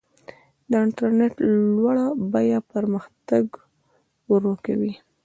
د انټرنیټ لوړه بیه پرمختګ ورو کوي.